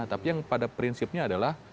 tapi yang pada prinsipnya adalah